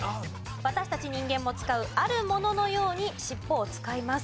私たち人間も使うあるもののように尻尾を使います。